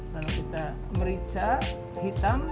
lalu kita merica hitam